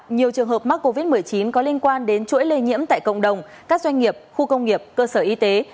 nhiều trường hợp mắc covid một mươi chín có liên quan đến chuỗi lây nhiễm tại cộng đồng các doanh nghiệp khu công nghiệp cơ sở y tế